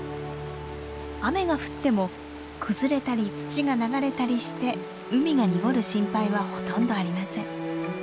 雨が降っても崩れたり土が流れたりして海が濁る心配はほとんどありません。